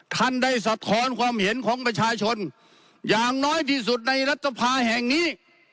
ท่านได้สะท้อนความเห็นของประชาชนอย่างน้อยที่สุดในรัฐภาแห่งนี้